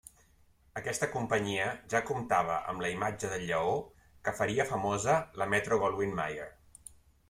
Aquesta companyia ja comptava amb la imatge del lleó que faria famosa la Metro-Goldwyn-Mayer.